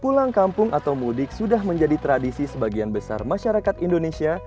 pulang kampung atau mudik sudah menjadi tradisi sebagian besar masyarakat indonesia